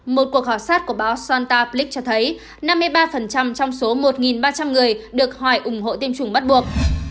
một cuộc hỏa sát của báo santa blix cho thấy năm mươi ba trong số một ba trăm linh người được hỏi ủng hộ tiêm chủng bắt buộc